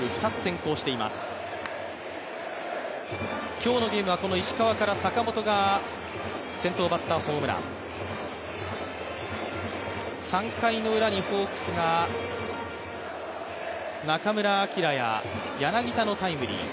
今日のゲームはこの石川から坂本が先頭バッターホームラン、３回ウラにホークスが中村晃や柳田のタイムリー。